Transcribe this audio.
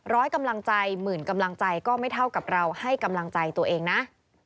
ร้อยกำลังใจหมื่นกำลังใจก็ไม่เท่ากับเราให้กำลังใจตัวเองนะ